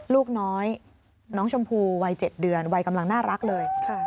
ลูกน้อยน้องชมพูวัย๗เดือนวัยกำลังน่ารักเลย